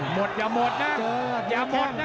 หมดอย่าหมดนะ